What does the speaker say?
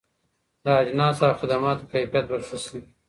د اجناسو او خدماتو کيفيت به ښه سي.